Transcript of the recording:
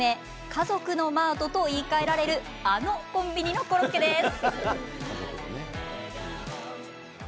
家族のマートと言いかえられるあのコンビニのコロッケです。